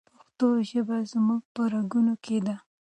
پښتو ژبه زموږ په رګونو کې ده.